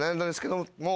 もう。